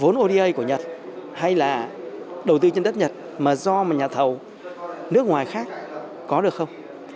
vốn oda của nhật hay là đầu tư trên đất nhật mà do nhà thầu nước ngoài khác có được không